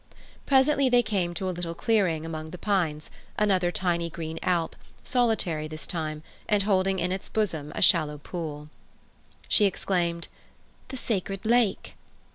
Presently they came to a little clearing among the pines—another tiny green alp, solitary this time, and holding in its bosom a shallow pool. She exclaimed, "The Sacred Lake!"